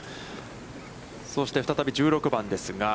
そして、再び１６番ですが。